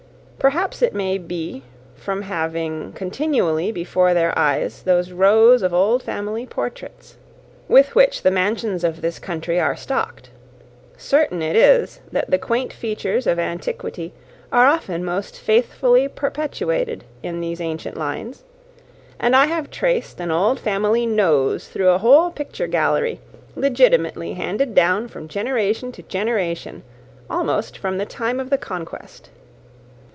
Perhaps it may be from having continually before their eyes those rows of old family portraits, with which the mansions of this country are stocked; certain it is, that the quaint features of antiquity are often most faithfully perpetuated in these ancient lines; and I have traced an old family nose through a whole picture gallery, legitimately handed down from generation to generation, almost from the time of the Conquest.